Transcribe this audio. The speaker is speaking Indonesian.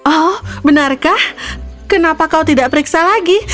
oh benarkah kenapa kau tidak periksa lagi